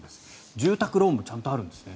住宅ローンちゃんとあるんですね